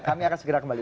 kami akan segera kembali